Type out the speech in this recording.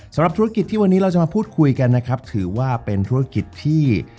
สำหรับธุรกิจที่วันนี้เราจะมาพูดคุยกันนะครับถือว่าเป็นธุรกิจที่